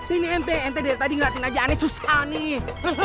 ini mtd dari tadi ngeliatin aja aneh susah nih